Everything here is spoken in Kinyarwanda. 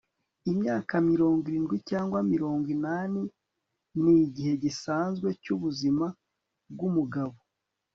imyaka mirongo irindwi cyangwa mirongo inani nigihe gisanzwe cyubuzima bwumugabo